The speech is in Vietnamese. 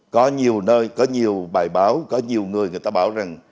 có nhiều nơi có nhiều bài báo có nhiều người người ta bảo rằng